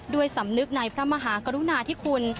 สำนึกในพระมหากรุณาธิคุณ